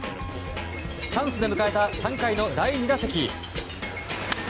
チャンスで迎えた３回の第２打席。